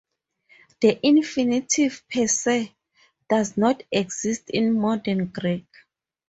The infinitive per se does not exist in Modern Greek.